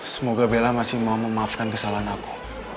semoga bella masih mau memaafkan kesalahan aku